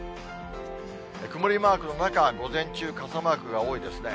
曇りマークの中、午前中、傘マークが多いですね。